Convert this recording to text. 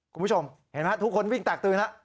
คุณผู้ชมเห็นไหมทุกคนวิ่งแตกตื่นแล้ว